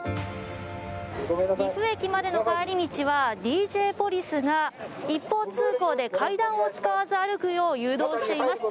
岐阜駅までの帰り道はＤＪポリスが一方通行で階段を使わず歩くよう誘導しています。